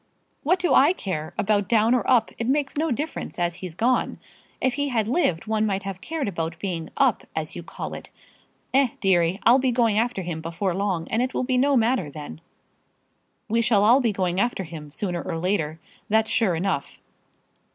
"What do I care about down or up? It makes no difference, as he's gone. If he had lived one might have cared about being up, as you call it. Eh, deary; I'll be going after him before long, and it will be no matter then." "We shall all be going after him, sooner or later; that's sure enough."